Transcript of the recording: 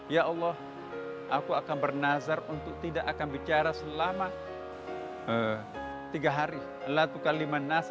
ya allah aku akan bernazar untuk tidak akan bicara selama tiga hari